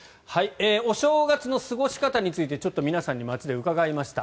お正月の過ごし方について街で皆さんに伺いました。